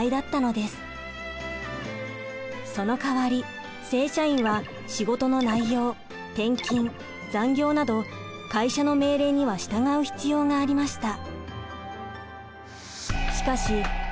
そのかわり正社員は仕事の内容転勤残業など会社の命令には従う必要がありました。